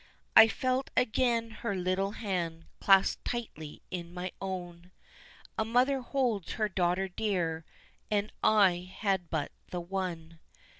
I felt again her little hand clasped tightly in my own A mother holds her daughter dear, and I had but the one.